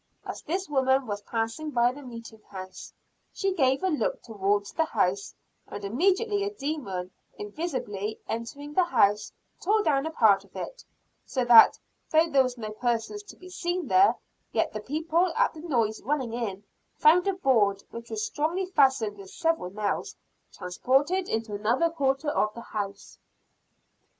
As this woman was passing by the meeting house, she gave a look towards the house; and immediately a demon, invisibly entering the house, tore down a part of it; so that, though there was no person to be seen there, yet the people, at the noise, running in, found a board, which was strongly fastened with several nails, transported into another quarter of the house."